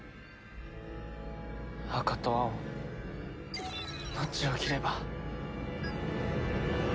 赤と青どっちを切れば。